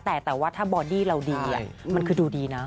แต่ว่าถ้าบอดี้เราดีมันคือดูดีนะ